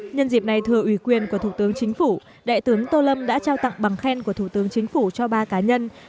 nhân dịp này thừa ủy quyền của thủ tướng chính phủ đại tướng tô lâm đã trao tặng bằng khen của thủ tướng chính phủ cho ba cá nhân